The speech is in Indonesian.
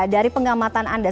dari pengamatan anda